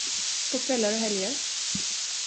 På kvällar och helger.